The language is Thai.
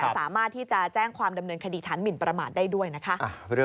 สามารถที่จะแจ้งความดำเนินคดีฐานหมินประมาทได้ด้วยนะคะ